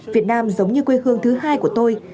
việt nam giống như quê hương thứ hai của tôi